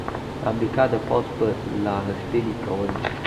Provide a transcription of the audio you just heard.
د امریکا د پوځ په لاغښتلي کولو